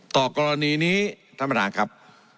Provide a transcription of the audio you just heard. ต่อกรณีนี้ท่านบันดาลครับ